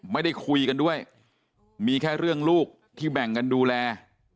ไม่ได้คุยกันด้วยมีแค่เรื่องลูกที่แบ่งกันดูแล